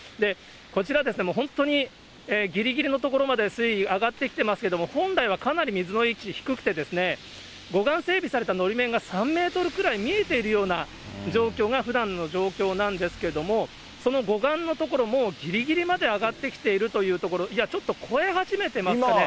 こちら、もう本当にぎりぎりの所まで水位上がってきてますけども、本来はかなり水の位置低くて、護岸整備されたのり面が３メートルくらい見えているような状況がふだんの状況なんですけども、その護岸の所、もうぎりぎりまで上がってきているというところ、いや、ちょっと越え始めてますかね。